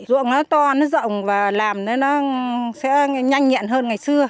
ruộng nó to nó rộng và làm nó sẽ nhanh nhẹn hơn ngày xưa